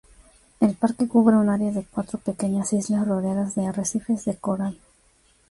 El parque cubre un área de cuatro pequeñas islas rodeadas de arrecifes de coral.